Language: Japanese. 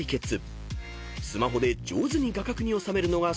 ［スマホで上手に画角に収めるのが勝負のポイント］